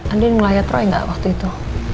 andin melayat roy gak waktu itu